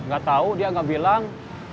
gatau dia gak bilang